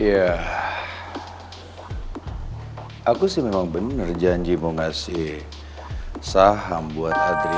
iya aku sih memang bener janji mau ngasih saham buat adrian